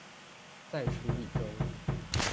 在處理中